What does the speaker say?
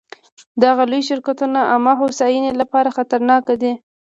دغه لوی شرکتونه عامه هوساینې لپاره خطرناک دي.